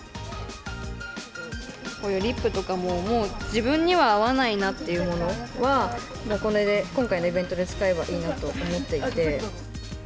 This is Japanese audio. リップとかももう自分には合わないっていうものは今回のイベントで使えばいいなと思っていて。